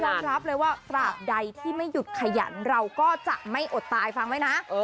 รับเลยว่าตราบใดที่ไม่หยุดขยันเราก็จะไม่อดตายฟังไว้นะ